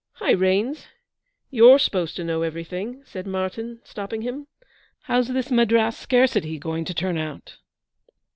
'Hi, Raines; you're supposed to know everything,' said Martyn, stopping him. 'How's this Madras "scarcity" going to turn out?'